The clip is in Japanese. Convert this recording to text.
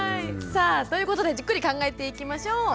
さあということでじっくり考えていきましょう。